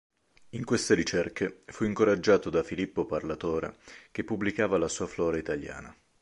In queste ricerche fu incoraggiato da Filippo Parlatore che pubblicava la sua Flora italiana.